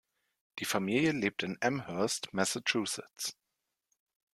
Die Familie lebt in Amherst, Massachusetts.